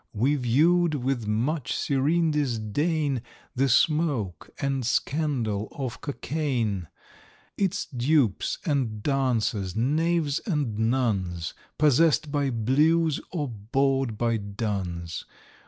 We viewed, with much serene disdain, The smoke and scandal of Cockaigne, Its dupes and dancers, knaves and nuns, Possess'd by blues, or bored by duns.